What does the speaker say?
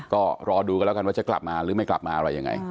ก็รอดูกันแล้วกันว่าจะกลับมาหรือไม่กลับมาอะไรยังไง